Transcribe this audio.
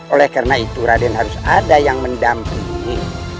oleh karena itu raden harus ada yang mendampingi